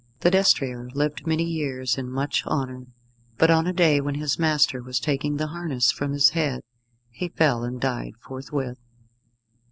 The destrier lived many years in much honour, but on a day when his master was taking the harness from his head, he fell and died forthwith.